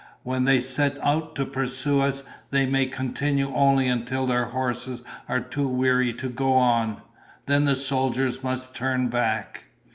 When they set out to pursue us, they may continue only until their horses are too weary to go on. Then the soldiers must turn back."